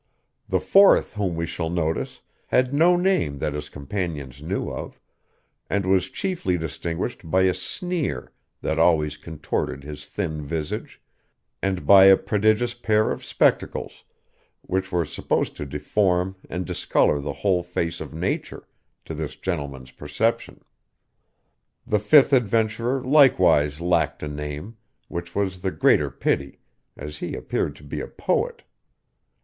The fourth whom we shall notice had no name that his companions knew of, and was chiefly distinguished by a sneer that always contorted his thin visage, and by a prodigious pair of spectacles, which were supposed to deform and discolor the whole face of nature, to this gentleman's perception. The fifth adventurer likewise lacked a name, which was the greater pity, as he appeared to be a poet.